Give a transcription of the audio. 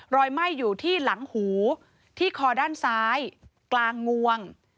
ไหม้อยู่ที่หลังหูที่คอด้านซ้ายกลางงวง